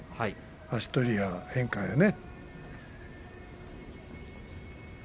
足取りや変化をね。